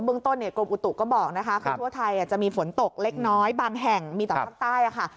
ผมก็บอกนะคะทั่วไทยจะมีฝนตกเล็กน้อยบางแห่งมีแต่ภาคใต้ค่ะ